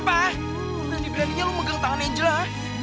lu berani beraninya lu megang tangan angela ha